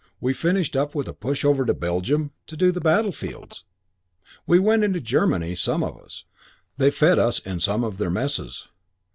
We finished up with a push over to Belgium to do the battlefields. We went into Germany, some of us. They fed us in some of their messes.